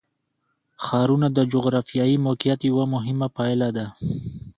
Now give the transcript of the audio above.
ښارونه د جغرافیایي موقیعت یوه مهمه پایله ده.